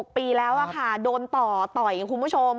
๘๖ปีแล้วค่ะโดนต่อต่อยอย่างคุณผู้ชม